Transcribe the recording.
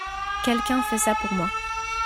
Quelqu'un fait ça pour moi.